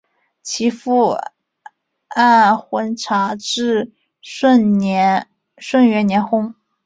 其父按浑察至顺元年薨。